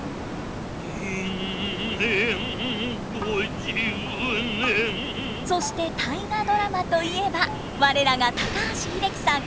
人間五十年そして「大河ドラマ」といえば我らが高橋英樹さん。